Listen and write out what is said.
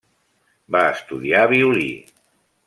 Va estudiar violí.